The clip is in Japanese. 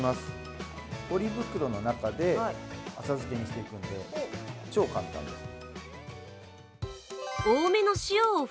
ポリ袋の中で浅漬けにしていくんで超簡単です。